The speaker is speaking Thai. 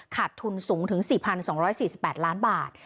ขาดทุนสูงถึง๔๒๔๘ล้านบาท